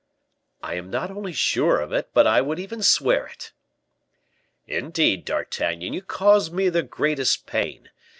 "I am not only sure of it, but I would even swear it." "Indeed, D'Artagnan, you cause me the greatest pain.